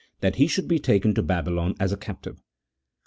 that he should be taken to Babylon as a captive.